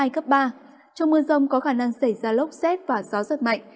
trong mưa rông có khả năng xảy ra lốc xét và gió giật mạnh